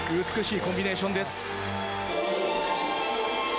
美しいコンビネーションです。